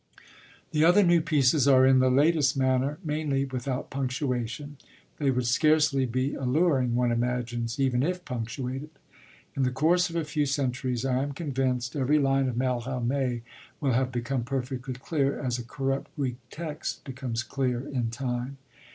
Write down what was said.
The other new pieces are in the latest manner, mainly without punctuation; they would scarcely be alluring, one imagines, even if punctuated. In the course of a few centuries, I am convinced, every line of Mallarmé will have become perfectly clear, as a corrupt Greek text becomes clear in time.